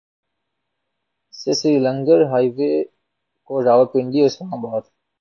سے Srinagar highway کو راولپنڈی اور اسلام آباد